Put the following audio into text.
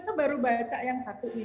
kita baru baca yang satu ini